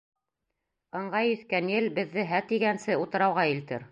Ыңғай иҫкән ел беҙҙе һә тигәнсе утрауға илтер.